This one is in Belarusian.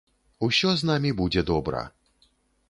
Усё з намі будзе добра!